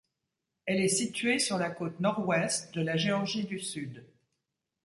Elle est située sur la côte nord-ouest de la Géorgie du Sud.